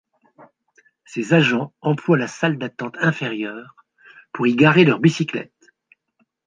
Ses agents emploient la salle d'attente inférieure pour y garer leurs bicyclettes.